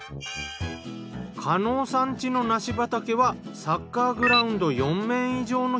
加納さん家の梨畑はサッカーグラウンド４面以上の広さ。